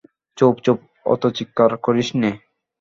চুপ চুপ, অত চিৎকার করিস নে।